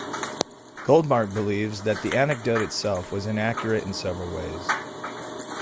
Goldmark believes that the anecdote itself was inaccurate in several ways.